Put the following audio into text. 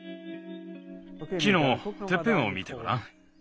木のてっぺんを見てごらん。